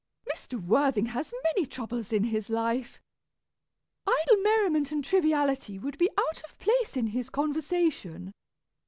Mr. Worthing has many troubles in his life. Idle merriment and triviality would be out of place in his conversation.